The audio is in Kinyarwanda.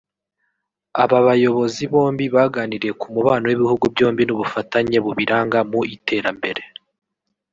Aba bayobozi bombi baganiriye ku mubano w’ibihugu byombi n’ubufatanye bubiranga mu iterambere